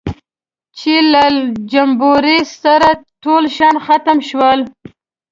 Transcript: چې له جمبوري سره ټول شیان ختم شول.